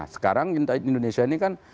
sekarang indonesia ini kan